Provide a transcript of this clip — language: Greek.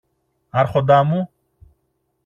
Άρχοντα μου;